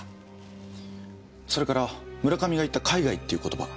それから村上が言った「海外」っていう言葉。